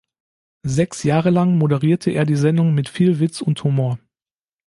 Sechs Jahre lang moderierte er die Sendung mit viel Witz und Humor.